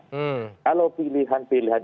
hmm kalau pilihan pilihan